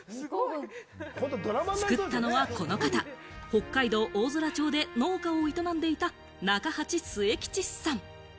作ったのはこの方、北海道大空町で農家を営んでいた中鉢末吉さん。